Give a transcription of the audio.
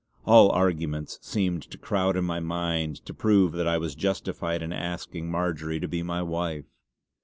All arguments seemed to crowd in my mind to prove that I was justified in asking Marjory to be my wife.